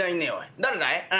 誰だい？